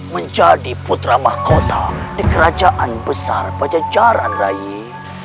menjadi putra mahkota di kerajaan besar pada jajaran raih